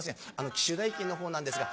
機種代金の方なんですが